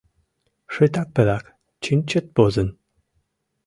Шитак пелак чинчет возын.